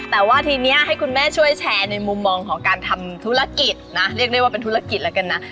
แต่ว่าทีนี้ให้คุณแม่ช่วยแชร์ในมุมมองของการทำธุรกิจนะเรียกได้ว่าเป็นธุรกิจแล้วกันนะ